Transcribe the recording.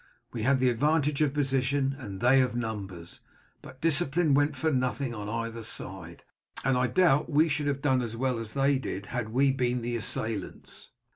We had the advantage of position and they of numbers; but discipline went for nothing on either side, and I doubt if we should have done as well as they did had we been the assailants."